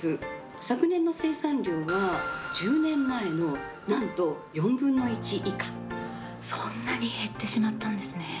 昨年の生産量は１０年前のなんと４分の１以下。そんなに減ってしまったんですね。